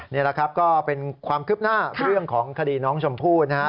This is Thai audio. นี่แหละครับก็เป็นความคืบหน้าเรื่องของคดีน้องชมพู่นะฮะ